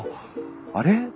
あれ？